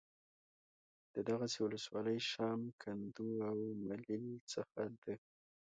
د دغې ولسوالۍ شام ، کندو او ملیل څخه د